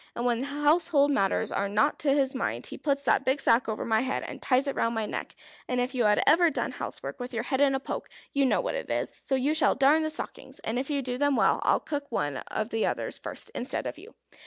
And when household matters are not to his mind he puts that big sack over my head, and ties it round my neck. And if you had ever done housework with your head in a poke, you'd know what it is! So you shall darn the stockings, and if you do them well, I'll cook one of the others first instead of you."